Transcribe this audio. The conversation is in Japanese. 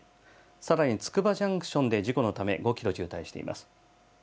さらにつくばジャンクションで事故のため、５キロ渋滞しています。